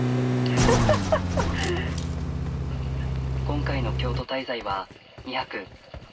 今回の京都滞在は２泊。